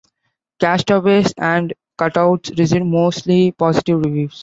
"Castaways and Cutouts" received mostly positive reviews.